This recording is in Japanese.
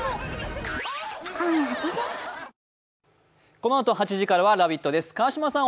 このあと８時からは「ラヴィット！」です。